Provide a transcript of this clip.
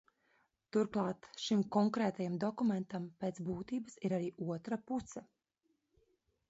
Turklāt šim konkrētajam dokumentam pēc būtības ir arī otra puse.